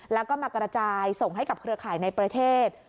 แล้วก็มากระจายส่งให้กับเครือข่ายในประเทศ